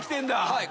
はい。